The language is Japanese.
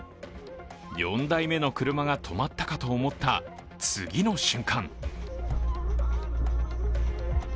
４代目の車が止まったかと思った次の瞬間！